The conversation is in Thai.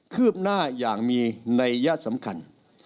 ืบหน้าอย่างมีนัยยะสำคัญ